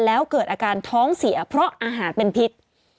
แล้วเกิดอาการท้องเสียเพราะอาหารเป็นพิษ